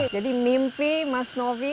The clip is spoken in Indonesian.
jadi mimpi mas novi